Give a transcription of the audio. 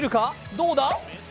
どうだ？